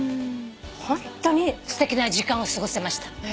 ホントにすてきな時間を過ごせました。